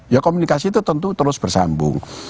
ya komunikasi itu tentu terus bersambung